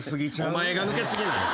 お前が抜けすぎなんや。